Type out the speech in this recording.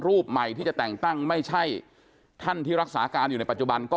รูปใหม่ที่จะแต่งตั้งไม่ใช่ท่านที่รักษาการอยู่ในปัจจุบันก็